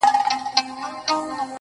د دښمن کره ځم دوست مي ګرو دی -